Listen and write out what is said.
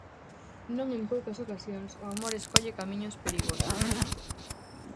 Non en poucas ocasións o amor escolle camiños perigosos.